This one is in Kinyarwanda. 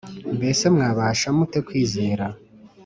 Mbese mwabasha mute kwizera